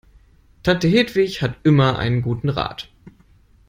Tante Hedwig hat immer einen guten Rat.